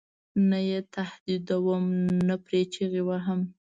نه یې تهدیدوم نه پرې چغې وهم.